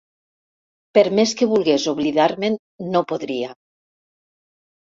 Per més que volgués oblidar-me'n, no podria.